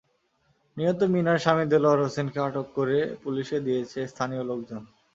নিহত মিনার স্বামী দেলোয়ার হোসেনকে আটক করে পুলিশে দিয়েছে স্থানীয় লোকজন।